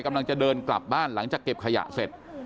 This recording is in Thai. กำลังจะเดินกลับบ้านหลังจากเก็บขยะเสร็จ